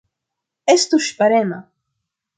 Estu ŝparema!